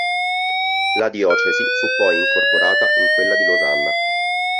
La diocesi fu poi incorporata in quella di Losanna.